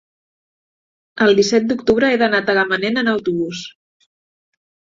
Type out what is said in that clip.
el disset d'octubre he d'anar a Tagamanent amb autobús.